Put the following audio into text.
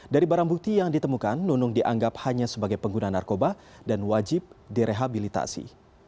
dari barang bukti yang ditemukan nunung dianggap hanya sebagai pengguna narkoba dan wajib direhabilitasi